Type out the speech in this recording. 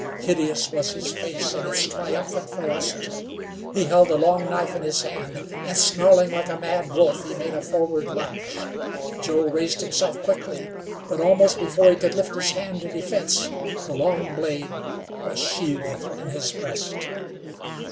Hideous was his face in its triumphant ferocity. He held a long knife in his hand, and, snarling like a mad wolf, he made a forward lunge. Joe raised himself quickly; but almost before he could lift his hand in defense, the long blade was sheathed in his breast.